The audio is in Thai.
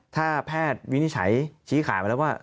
ถ้าแพทย์วินิจฉัยชี้ขาดไปแล้วว่า